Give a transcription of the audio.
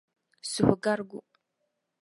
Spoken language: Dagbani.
suhugarigu.